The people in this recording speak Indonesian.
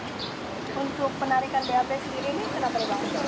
untuk penarikan bap sendiri ini kenapa di bawah